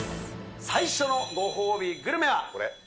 最初のご褒美グルメは。